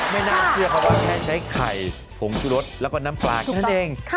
ไม่น่าเชื่อครับว่าแค่ใช้ไข่ผงชุรสแล้วก็น้ำปลาแค่นั้นเอง